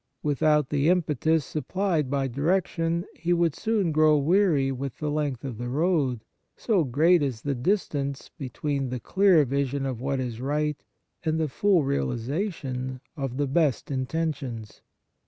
Without the impetus supplied by direction, he would soon grow^weary with the length of the road, so great is the distance between the clear vision of what is right and the full realization of the best intentions.